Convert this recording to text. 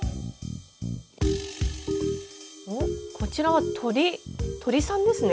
おっこちらは鳥さんですね。